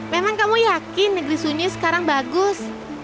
memang kamu yakin negeri sunyi sekarang bagus